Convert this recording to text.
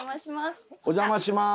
お邪魔します。